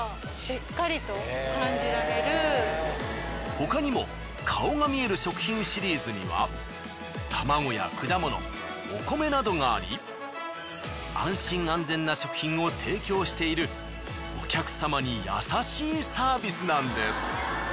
他にも顔が見える食品シリーズには卵や果物お米などがあり安心安全な食品を提供しているお客様に優しいサービスなんです。